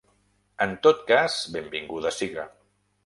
En tot cas, benvinguda siga.